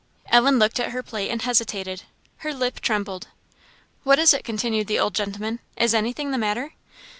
Ellen looked at her plate and hesitated. Her lip trembled. "What is it?" continued the old gentleman. "Is anything the matter."